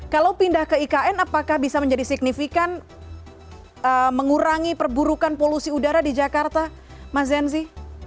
kalau pindah ke ikn apakah bisa menjadi signifikan mengurangi perburukan polusi udara di jakarta mas zenzi